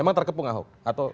emang terkepung ahok